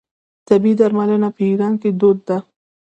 طبیعي درملنه په ایران کې دود ده.